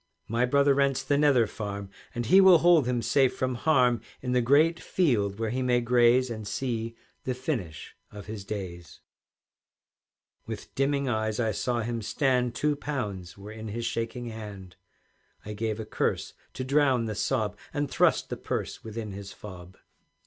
"My brother rents the Nether Farm, And he will hold him safe from harm In the great field where he may graze, And see the finish of his days." With dimming eyes I saw him stand, Two pounds were in his shaking hand; I gave a curse to drown the sob, And thrust the purse within his fob.